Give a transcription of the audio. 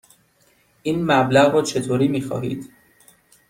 این مبلغ را چطوری می خواهید؟